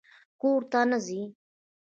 _کور ته نه ځې؟